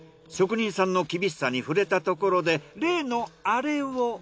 職人さんの厳しさに触れたところで例のアレを。